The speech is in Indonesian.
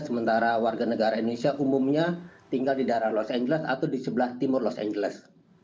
sementara warga negara indonesia umumnya tinggal di daerah los angeles atau di sebelah timur los angeles